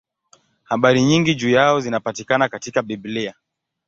Habari nyingi juu yao zinapatikana katika Biblia.